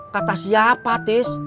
kata siapa tis